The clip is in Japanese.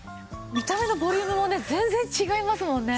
見た目のボリュームもね全然違いますもんね。